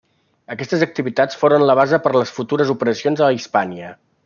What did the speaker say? Aquestes activitats foren la base per a les futures operacions a Hispània.